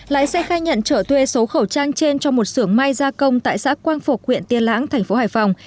lái xe khai nhận trở thuê số khẩu trang trên trong một xưởng may gia công tại xã quang phục huyện tiên lãng tp hải phòng